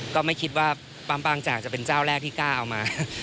ก็ไม่คิดว่าปั๊มปางจากจะเป็นเจ้าแรกที่กล้าเอามา